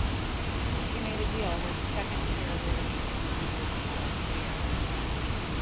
She made a deal with second-tier leadership contender Charles Beer.